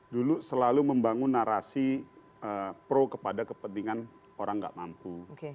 dulu selalu membangun narasi pro kepada kepentingan orang nggak mampu